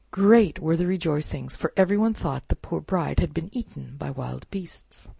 Great were the rejoicings, for everyone thought the poor Bride had been eaten by wild beasts.